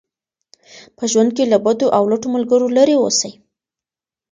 په ژوند کې له بدو او لټو ملګرو لرې اوسئ.